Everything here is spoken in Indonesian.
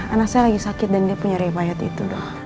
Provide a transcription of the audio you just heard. anak saya lagi sakit dan dia punya riwayat itu